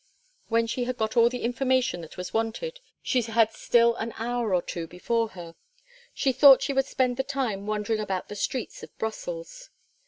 When she had got all the information that was wanted she had still an hour or two before her. She thought she would spend the time wandering about the streets of Brussels.